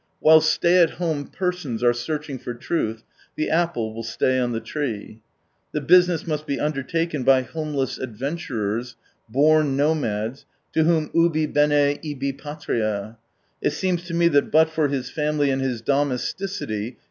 Whilst stay at home persons are searching for truth, the apple will stay on the tree. The business must be undertaken by homeless adventurers, born nomads, to whom ubi bene ibi ■patria. It seems to me that but for his family and his do mesticity.